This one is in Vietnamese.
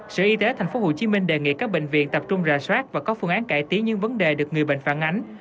sở y tế tp hcm đề nghị các bệnh viện tập trung rà soát và có phương án cải tiến những vấn đề được người bệnh phản ánh